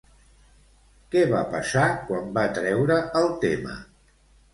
Què va passar quan va treure el tema?